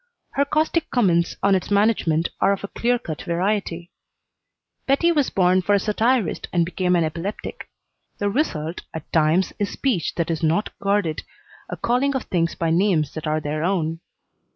Her caustic comments on its management are of a clear cut variety. Bettie was born for a satirist and became an epileptic. The result at times is speech that is not guarded, a calling of things by names that are their own.